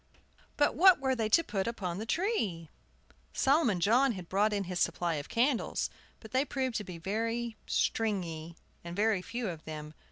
But what were they to put upon the tree? Solomon John had brought in his supply of candles; but they proved to be very "stringy" and very few of them.